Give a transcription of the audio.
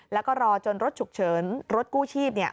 แล้วก็รอจนรถฉุกเฉินรถกู้ชีพ